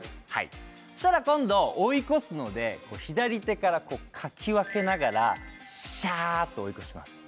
そうしたら今度追い越すので左手から、かき分けながらシャアと追い越します。